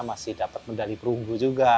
masih dapat medali perunggu juga